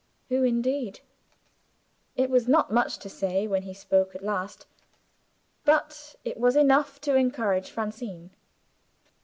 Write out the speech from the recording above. "Who indeed!" It was not much to say, when he spoke at last but it was enough to encourage Francine.